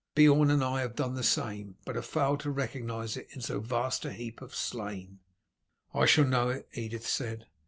Beorn and I have done the same, but have failed to recognize it in so vast a heap of slain." "I shall know it," Edith said.